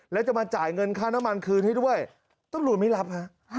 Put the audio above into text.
แล้วจะมาจ่ายเงินค่าน้ำมันคืนให้ด้วยตำรวจไม่รับฮะ